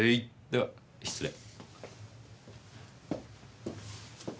では失礼。